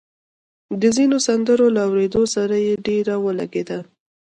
د ځينو سندرو له اورېدو سره يې ډېره ولګېده